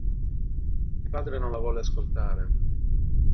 Il padre non la volle ascoltare.